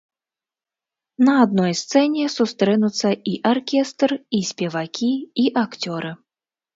На адной сцэне сустрэнуцца і аркестр, і спевакі, і акцёры.